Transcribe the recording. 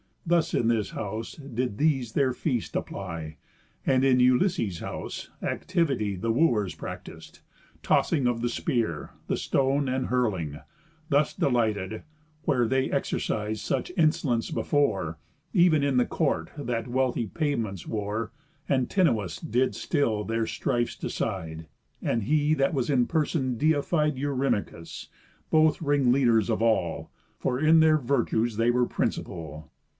Thus in this house did these their feast apply; And in Ulysses' house activity The Wooers practis'd; tossing of the spear, The stone, and hurling; thus delighted, where They exercis'd such insolence before, Ev'n in the court that wealthy pavements wore Antinous did still their strifes decide, And he that was in person deified Eurymachus; both ring leaders of all, For in their virtues they were principal.